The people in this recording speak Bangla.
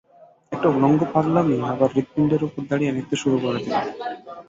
একটা উলঙ্গ পাগলামি আবার হৃৎপিণ্ডের উপর দাঁড়িয়ে নৃত্য শুরু করে দিলে।